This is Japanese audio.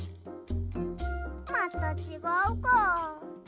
またちがうか。